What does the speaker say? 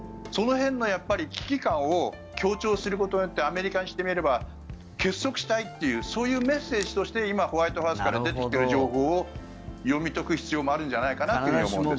その辺の危機感を強調することによってアメリカにしてみれば結束したいというそういうメッセージとして今、ホワイトハウスから出てきている情報を読み解く必要もあるんじゃないかと思うんです。